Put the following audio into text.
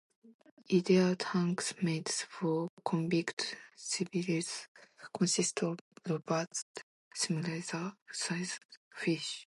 Ideal tank mates for convict cichlids consists of robust similar sized fish.